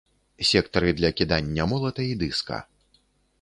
Сектары для кідання молата і дыска.